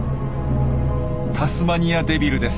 タスマニアデビルです。